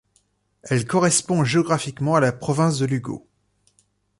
Elle correspond géographiquement à la province de Lugo.